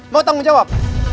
mau tanggung jawab